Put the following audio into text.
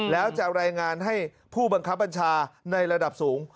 แล้วจะรายงานให้ผู้บังคับบัญชาในระดับสูง